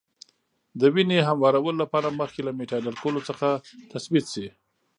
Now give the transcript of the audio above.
د وینې هموارولو لپاره مخکې له میتایل الکولو څخه تثبیت شي.